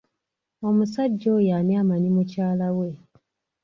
Omusajja oyo ani amanyi mukyala we?